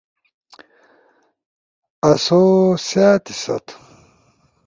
آسو سأت، سیات